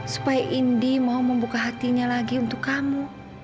supaya indi mau membuka hatinya lagi untuk kamu